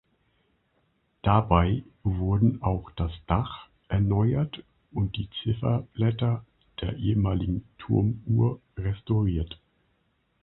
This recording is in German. Dabei wurden auch das Dach erneuert und die Zifferblätter der ehemaligen Turmuhr restauriert.